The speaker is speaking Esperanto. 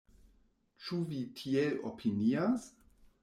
Ĉu vi tiel opinias?